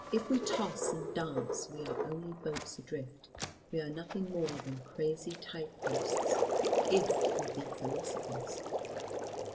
If we toss and dance we are only boats adrift; we are nothing more than crazy tide posts, if we be philosophers.